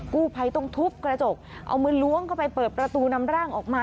กู้ภัยต้องทุบกระจกเอามือล้วงเข้าไปเปิดประตูนำร่างออกมา